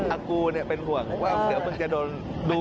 อากูเนี่ยเป็นห่วงว่าเดี๋ยวมันจะโดนดูปิด